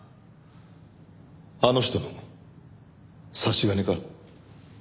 あの人の差し金か？